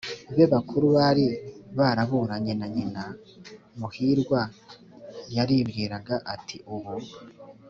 be bakuru bari baraburanye na nyina. muhirwa yaribwiraga ati: "ubu